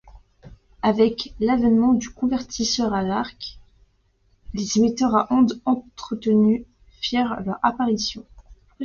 Avec l'avènement du convertisseur à arc, les émetteurs à ondes entretenues firent leur apparition.